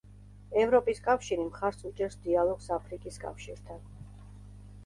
ევროპის კავშირი მხარს უჭერს დიალოგს აფრიკის კავშირთან.